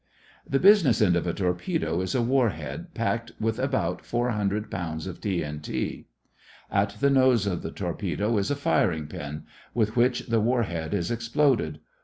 The business end of a torpedo is a "war head" packed with about four hundred pounds of TNT. At the nose of the torpedo is a firing pin, with which the war head is exploded.